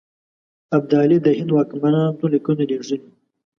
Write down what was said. ابدالي د هند واکمنانو ته لیکونه لېږلي.